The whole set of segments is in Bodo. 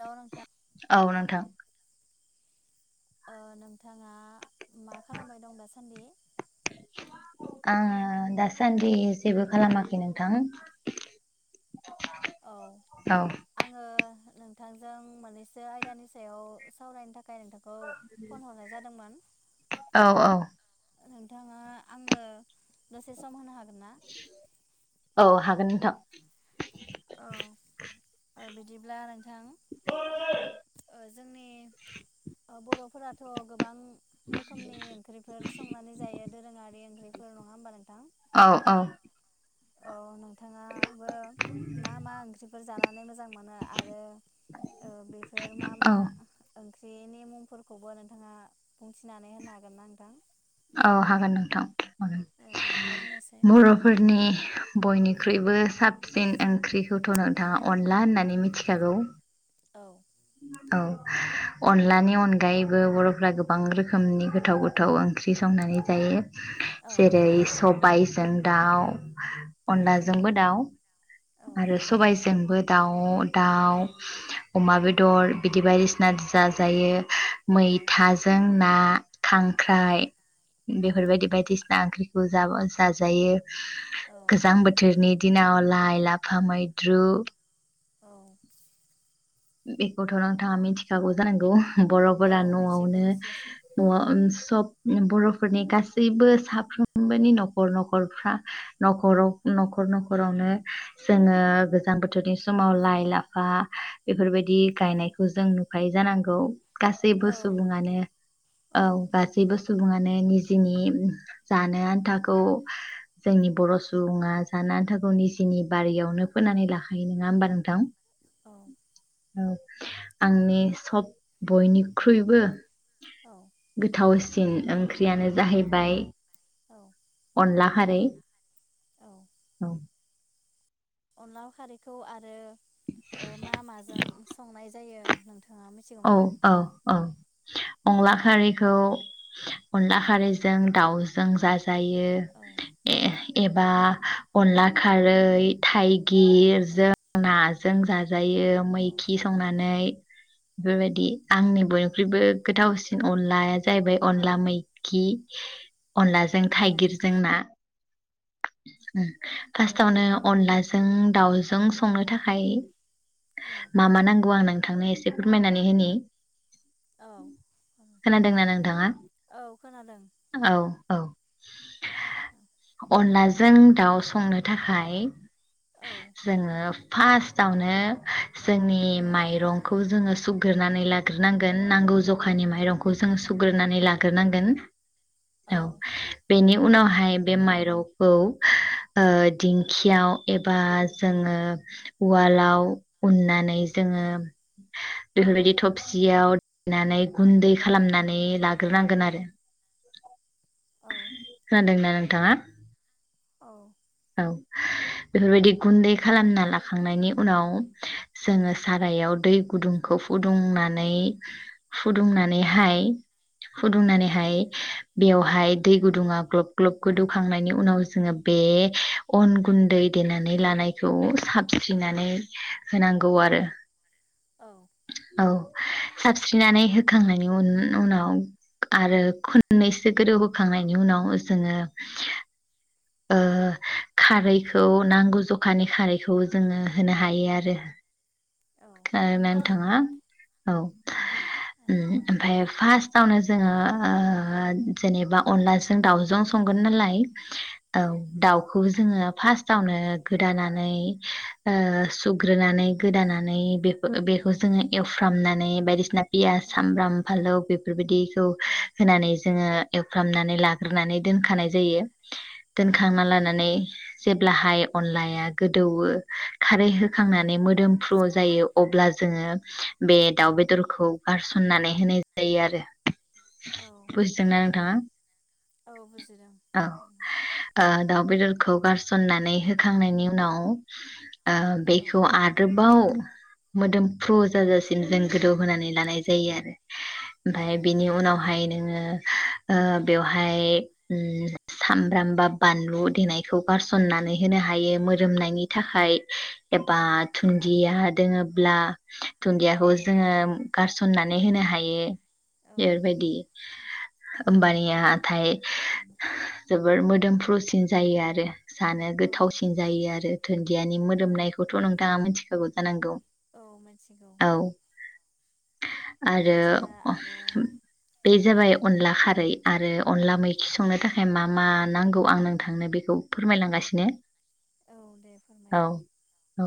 हेलौ नोंथां औ नोंथां नोंथाङा मा खालामबाय दं दासान्दि आङो दासान्दि जेबो खालामाखै नोंथां औ औ आङो नोंथांजों मोननैसो आयदानि सायाव सावरायनो थाखाय थाखाय नोंथांखौ फन हरनाय जादोंमोन औ औ नोंथाङा आंनो दसे सम होनो हाग गोनना औ हागोन नोंथां अह ओ बिदिब्ला नोंथां ओ जोंनि ओ बरफोरा थ गोबां रोखोमनि ओंख्रिफोर संनानै जायो दोरोङारि ओंख्रि [unintelligible] नङा ओमबा नोंथां औ औ अह नों नोंथाङाबो मा मा ओंख्रिफोर जानानै मोजां मोनो आरो ओ बेफोर मा औ मा ओं ओंख्रिनि मुंफोरखौबो नोंथाङा बुंथिनानै होनो हागोनना नोंथां अह हागोन नोंथां ओ बिदिब्ला बुंनायसाय बरफोरनि बयनि ख्रुइबो साबसिन ओंख्रिखौथ नोंथाङा अनला होननानै मिथिखागौ। औ औ अनलानि अनगायैबो बरफ्रा गोबां रोखोमनि गोथाव गोथाव ओंख्रि संनानै जायो। औ जेरै सब बायजों दाउ औ अनलाजोंबो दाउ औ आरो सबायजोंबो दाउ दाउ औ अमा बेद दर बिदि बायदिसिना जाजायो मैथाजों ना खांख्राइ औ औ बेफोरबायदि बायदिसिना ओंख्रिखौ जाबा जाजायो गोजां बोथोरनि दिनाव लाय लाफा मैद्रु औ बेखौथ नोंथाङा मिथिखागौ जानांगौ। औ बरफोरा मिथिगौ नआवनो एसे एसे नआव ओम सब बर'फोरनि गासैबो साफ्रोमबोनि नखर नखरफ्रा नखराव नखर नखरावनो जोङो गोजां बोथोरनि समाव लाइ लाफा बेफोरबायदि दि औ गायनायखौ जों नु बाय जानांगौ। गासैबो औ सुबुङानो औ गासैबो सु बुङानो निजिनि जानो आन्थाखौ जोंनि बर' सुबुङा जानो आन्थाखौ निजिनि बारियावनो फोननानै लाखायो नङा होमबा नोंथां। औ औ आंनि सब बयनिख्रुइबो औ गोथाव सिन ओंख्रियानो जाहैबाय औ अनला खारै औ। अनलाव खारैखौ आरो ओ मा माजों संनाय जायो नोंथां औ औ औ औ अनला खारैखौ अनला खारैजों दाउजों जा जायो औ [unintelligible] एबा अनला खारै थाइ गिर जों ना जों जाजायो औ मैखि संनानै बेफोरबायदि आंनि बयनिख्रुइबो गोथावसिन अनलाया जाहैबाय अनला मैखि। अनलाजों औ थाइगिरजों ना। उम फार्स्टावनो अनलाजों दावजों संनो थाखाय औ मा मा नांगौ आं नों थांनो एसे फोरमायनानै होनि। औ खोनादोंना नोंथाङा। औ खोनादों औ औ अनलाजों दाउ संनो थाखाय औ जोंङो फार्स्टआवनो जोंनि औ माइरंखौ जोङो सुग्रोनानै लाग्रोनांगोन नांगौ जखानि माइरंखौ जों सुग्रोनानै लाग्रोनांगोन। औ। बेनि उनावहाय बे माइ रंखौ दिंखियाव एबा जोङो उवालाव उननानै जोङो बेफोरबायदि थबसियाव देनानै गुन्दै खालामनानै लाग्रोनांगोन आरो। औ खोनादों ना नों थाङा। औ। औ बेफोरबायदि गुन्दै खालामना लाखांनायनि उनाव जोङो सारायाव दै गुदुंखौ फुदुंनानै फुदुंनानैहाय औ फुदुंनानै हाय बेवहाय दै गुदुङा ग्लब ग्लब गोदौखांनायनि उनाव जोङो बे अन गुन्दै देनानै लानायखौ साबस्रिनानै होनांगौ आरो। औ। औ साबस्रिनानै होखांनायनि उनाव आरो खननैसो गोदौ होखांनायनि उनाव जोङो खारैखौ नांगौ जखानि खारैखौ जोङो होनो हायो आरो। ओ नोंथाङा औ ओमफ्राय फार्स्टावनो जोङो जेनेबा अनलाजों दाावजों संगोन नालाय औ दाउ जोङो फार्स्टावनो गोदानानै ओ सुग्रोनानै गोदानानै बे बेखौ जोङो एवफ्रामनानै बायदिसिना पियास सामब्राम फालौ बेफोरबायदिखौ होनानै जोङो एवफ्रामनानै लाग्रोनानै दोनखानाय जायो। दोनखांना लाना जेब्लाहाय अनलाया गोदौओ खारै औ होखांनानै मोदोम फ्रु जायो अब्ला जोङो बे दाउ बेदरखौ गारसननानै होनाय जायो आरो। औ बुजिदोंना नोंथाङा औ बुजिदों औ। दाउ बेदरखौ गारसननानै होखांनायनि उनाव औ बेखौ आरोबाव मोदोमफ्रु जाजासिम जों गोदौ होनानै लानाय जायो आरो। औ ओमफाय औ बिनि उनावहाय नोङो ओ बेवहाय उम सामब्राम बा बानलु लु देनायखौ गारसनानै होनो हायो मोदोमनायनि थाखाय एबा दुन्दिया दोङोब्ला दुन्दियाखौ जोङो गारसन्नानै होनो हायो बेफोरबायदि ओमबानियाथाय जोबोर मोदोमफ्रु सिन जायो आरो। जानो औ गोथावसिन जायो आरो। धोनदियानि औ औ मोदोमनायखौथ' नोंथाङा मिथिखागौ जानांगौ। औ मिथिगौ। औ आरो दुन्दिया आरो बे औ जाबाय अनला खारै आरो अनला मैखि संनो थाखाय मा मा नांगौ आं नों थांनो बेखौ फोरमायलांगासिनो। औ दे फोरमाय। औ औ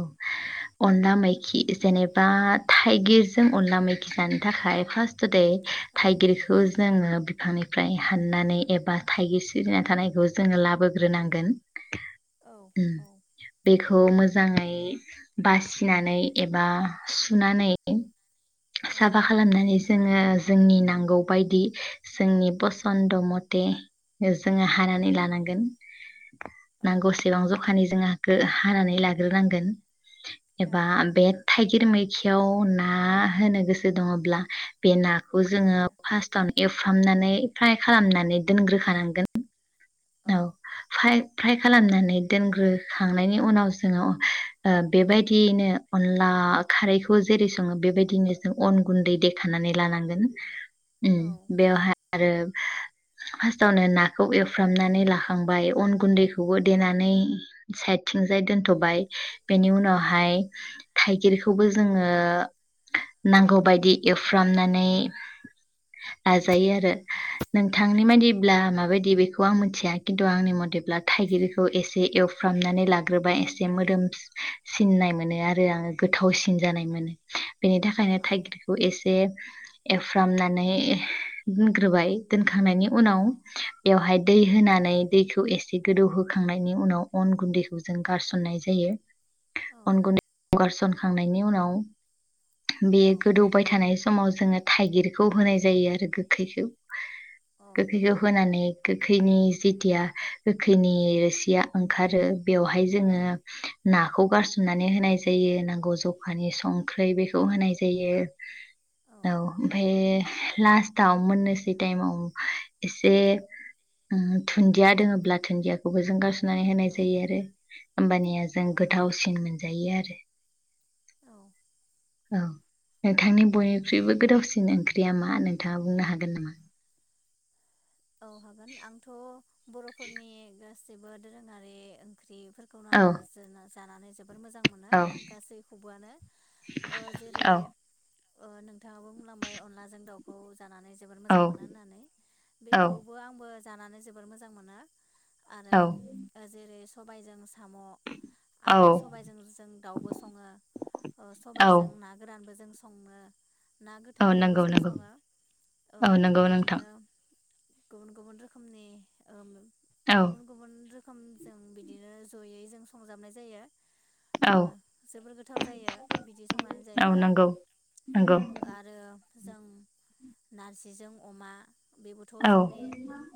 अनला मैखि जेनेबा थाइगिरजों अनला मैखि जानो थाखाय फार्स्ट टुडे औ थाइगिरखौ जोङो बिफांनिफ्राय हाननानै एबा थाइगिर सिरिनानै थानायखौ जोङो लाब होग्रोनांगोन। औ औ बेखौ मोजां मोजाङै बासिनानै एबा सुनानै औ साफा खालामनानै जोङो जोंनि नांगौ बायदि जोंनि फसन्द मथे जोङो औ हानानै लानांगोन। औ नांगौसेबां जखानि जोंहा खो हानानै लाग्रोनांगोन। औ एबा बेट थाइगिर मैखियाव ना होनो गोसो दङब्ला बे ना औ जोङो फास्स्टावनो एवफ्रामनानै फ्राय खालामनानै दोनग्रोखानांगोन। औ फ्राय। फ्राय खालामनानै दोनग्रोखांनायनि उनाव जोङो ओ बेबायदियैनो अनला खारैखौ जेरै सङो बेबायदियैनो जों अन गुन्दै देखनानै लानांगोन। उम बेवहाय आरो फार्स्टावनो नाखौ एव एवफ्रामनानै लाखांबाय अन गुन्दैखौबो देनानै साइदथिंजाय दोनथ'बाय बेनि उनावहाय थाइगिरखौबो जोङो नांगौबायायदि एवफ्रामनानै लाजायो आरो नोंथांनि बादिब्ला माबायदि बेखौ आं मिथिया खिन्थु आंनि मथेब्ला थाइगिरखौ एसे एवफ्रामनानै लाग्रोबा एसे मोदोम सिननाय मोनो आरो आङो गोथावसिन जानाय मोनो बेनि थाखायनो औ थाइगिरखौ एसे एवफ्रामनानै दोनग्रोबाय दोनखांनायनि उन उनाव बेवहाय दै होनानै दैखौ एसे गोदौहोखांनायनि उनाव अन गुन्दैखौ जों गारसननाय जायो अन गुन्दैखौ गारसनखांनायनि उनाव बे गोदौबाय थानाय समाव जोङो थाइगिरखौ होनाय जायो आरो गोखैखौ औ औ गोखैखौ होनानै गोखैनि जिथिया गोखैनि रोसिया ओंखारो बेवहाय जोङो नाखौ गारसोमनानै होनाय जायो नांगौ जखानि संख्रै बेखौ होनाय जायो औ ओमफाय लास्टाव मोननोसै टाइमाव एसे उम दुन्दिया दोङोब्ला दुन्दियाखौबो जों गारस'नानै होनाय जायो आरो होमबानिया जों गोथावसिन मोनजायो आरो। औ नोंथांनि बयनिख्रुइबो गोथावसिन ओंख्रिया मा नोंथाङा बुंनो हागोन नामा? औ हागोन आंथ' बर'फोरनि गासिबो दोरोङारि ओंख्रि औ [unintelligible] जोबोर मोजां मोनो औ गासैखौबोआनो ओ जेरै औ ओ नोंथाङाबो बुंलांबाय अनलाजों दाउखौ जानानै जोबोर मोजां मोनो होननानै। औ बेखौबो आंबो बो जानानै जोबोर मोजां मोनो। आरो ओ जेरै सबायजों साम' औ आरो सबायजों जों दाउबो सङो ओ औ सबायजों ना गोरानबो जों संनो। ना औ गोथांखौबो नंगौ जों नंगौ सङो ओ औ नंगौ नोंथां बिदिनो गुबुन गुबुन रोखोमनि ओ औ गुबुन गुबुन रो सम जों बिदिनो जयै जों संजाबनाय जायो। औ ओ जोबोर गोथाव जायो बिदि संनानै औ जायोब्ला। नंगौ नंगौ आरो जों नारजिजों अमा। थ' औ जोंनि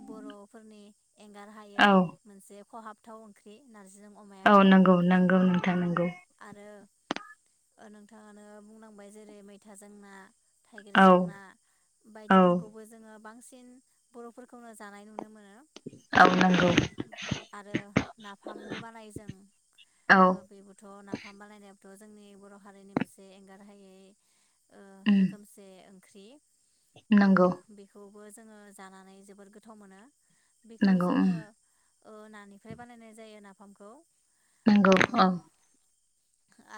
बर'फोरनि एंगार हायै औ मोनसे खहाबथाव ओंख्रि नारजिजों औ अमायाबो नंगौ नंगौ नोंथां नंगौ। ओ नोंथाङानो बुंनांबाय जेरै मैथाजों ना। औ थाइगिरजों ना औ बायदिफोरखौबो जोङो बांसिन बर'फोरखौनो जानाय नुनो मोनो। औ आरो नंगौ ओ आरो नाफामबो बानायो जों औ ओ बेबोथ' नाफाम बानायनाय थ' जोंनि बर' हारिनि मोनसे एंगारहायै ओ उम रोखोमसे ओं ख्रि। ओ नंगौ बेखौ। बो जोङो। जानानै जोबोर गोथाव मोनो। बेखौ नंगौ जोङो उम ओ नानिफ्राय बानायनाय जायो नाफामखौ। नंगौ ओ औ।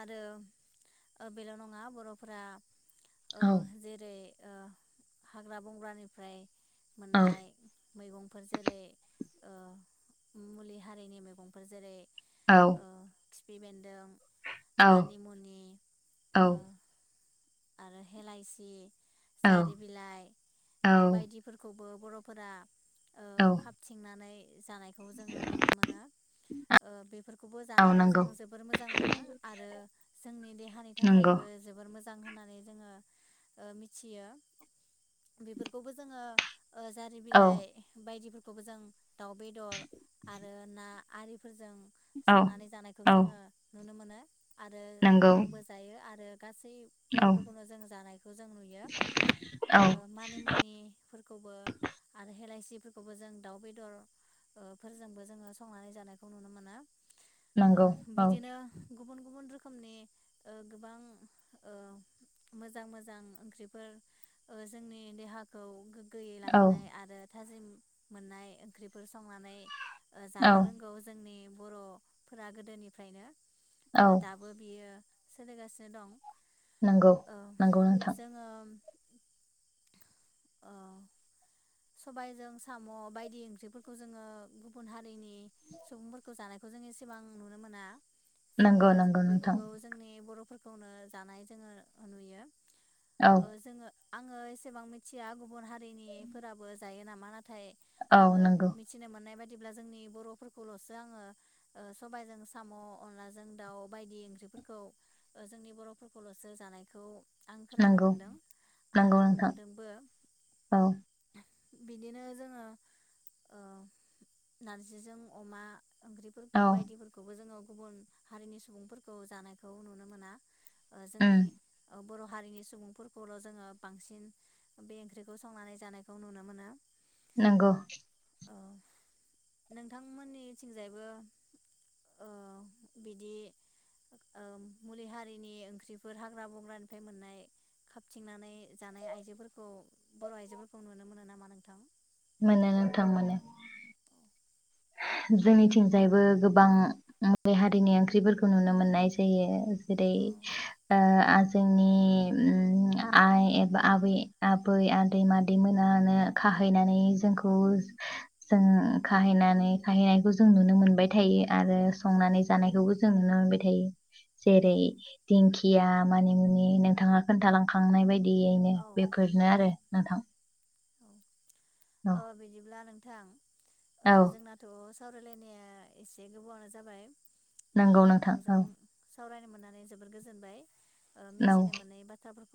आरो बेल' नङा बर'फोरा ओ औ जेरै हाग्रा बंग्रानिफ्राय औ मोननाय मैगंफोर जेरै ओ मुलि हारिनि मैगंफोर जेरै औ ओ खिफि बेन्दों औ मानि मुनि औ ओ आरो हेलायसि। औ जारि बिलाइ औ बायदिफोरखौ बो बर'फोरा ओ औ खाबथिंनानै जानायखौ जोङो नुनो मोनो ओ बेफोरखौबो औ जानानै जों नंगौ जोबोर मोजां मोनो आरो जोंनि देहानि नंगौ थाखायबो जोबोर मो मोजां होननानै जोङो ओ मिथियो बेफोरखौबो जोङो ओ जारि औ बिलाइ बायदि खौबोजों दाउ बेदर आरो ना आरि फोरजों औ संनानै जानायखौ औ जोङो नुनो मोनो। आरो नंगौ आंबो जायो आरो गासै औ बर'फोरखौनो जों जानायखौ जों नुयो औ ओ मानिमुनिफोर खौबो आरो हेलायसिफोरखौबो जों दाउ बेदर फोरजोंबो जोङो संनानै जानायखौ नुनो मोनो। ओ नंगौ औ बिदिनो गुबुन गुबुन रोखोमनि ओ गोबां ओ मोजां मोजां ओंख्रिफोर ओ जोंनि देहाखौ गोगोयै औ लाखिनाय आरो थाजिम मोननाय ओंख्रिफोर संनानै औ जानो रोंगौ जोंनि बर' फोरा गोदोनिफ्रायनो ओ औ दाबो बेयो सोलिगासिनो दं नंगौ औ नंगौ नोंथां जोङो औ सबायजों साम' बायदि ओंख्रिफोरखौ जोङो गुबुन हारिनि सुबुंफोरखौ जानायखौ जों एसेबां नुनो मोना जोङो नंगौ नंगौ नोंथां बेफोरखौ जोंनि बर'फोर खौनो जानाय जोङो नुयो औ ओ जोङो आङो एसेबां मिथिया गुबुन हारिनि फोराबो जायो नामा ना थाय औ आङो नंगौ मिथिनो मोननाय बाय दिब्ला जोंनि बर'फोरखौल'सो आङो सबायजों साम' अनलाजों दाउ बायदि ओंख्रिफोरखौ जोंनि बर'फोरखौल'सो जानायखौ आं खोनानो नंगौ मोनदों आरो नंगौ नोंथां नुबोदोंबो औ बिदिनो जोङो ओ नारजिजों अमा ओंख्रिफोर औ बायदिफोरखौबो जोङो गुबुन हारिनि सुबुंफोरखौ जानायखौ नुनो मोना ओ उम जोंनि औ बर' हारिनि सुबुंफोरखौल' जोङो बांसिन बे ओंख्रिखौ संनानै जानाय खौ नुनो मोनो। नंगौ ओ नोंथांमोननिथिंजायबो ओ बिदि ओ मुलि हारिनि ओंख्रिफोर हाग्रा बंग्रानिफ्राय मोननाय खाबथिंनानै जानाय आइजोफोरखौ बर' आइजोफोर खौ नुनो मोनो नामा नोंथां? मोनो नोंथां मोनो। जोंनिथिंजायबो गोबां मुलि हारिनि ओंख्रिफोरखौ नुनो मोननाय जायो औ जेरै- ओ जोंनि ओम आइ एबा आबै आबै आदै मादै मोनानो खाहैनानै जोंखौ जों खाहैनानै खाहैनायखौ जों नुनो मोनबाय थायो आरो औ संनानै जानायखौबो जों नुनो मोनबाय थायो औ जेरै- दिंखिया मानि मुनि नोंथाङा खोन्थालांखांनाय बायदि यैनो औ बेफोरनो औ आरो नोंथां। औ औ ओ बिदिब्ला नों थां ओ औ जोंनाथ' सावरायलायनाया एसे गोबावानो जाबाय। ओ नंगौ नोंथां नोंथांजों औ सावरायनो मोननानै जोबोर गोजोनबाय। ओ औ मिथिनो मोनै बाथ्राफोरखौ